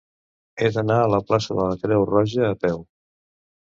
He d'anar a la plaça de la Creu Roja a peu.